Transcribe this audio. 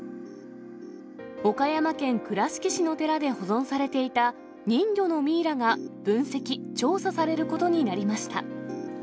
岡山県倉敷市の寺で保存されていた人魚のミイラが分析・調査されることになりました。